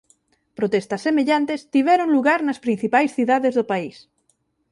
Protestas semellantes tiveron lugar nas principais cidades do país.